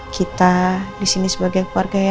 kita disini sebagai keluarga